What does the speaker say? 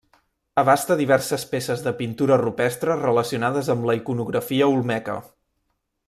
Abasta diverses peces de pintura rupestre relacionades amb la iconografia olmeca.